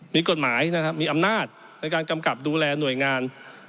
มีกฎหมายนะครับมีอำนาจในการกำกับดูแลหน่วยงาน